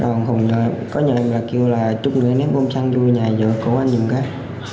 đoàn hùng có nhận là kêu là chúc người ném bom xăng vô nhà giữa công an giùm các